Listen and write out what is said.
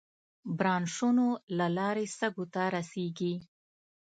برانشونو له لارې سږو ته رسېږي.